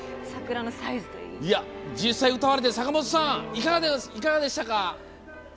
実際に歌われて、坂本さんいかがでしたか？